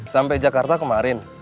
sampai jakarta kemarin